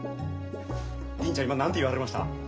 銀ちゃん今何て言わはりました？